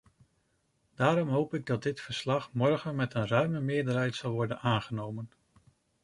Daarom hoop ik dat dit verslag morgen met een ruime meerderheid zal worden aangenomen.